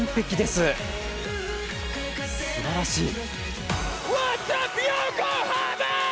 すばらしい。